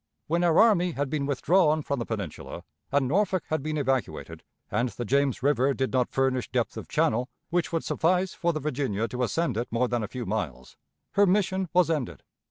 When our army had been withdrawn from the Peninsula, and Norfolk had been evacuated, and the James River did not furnish depth of channel which would suffice for the Virginia to ascend it more than a few miles, her mission was ended.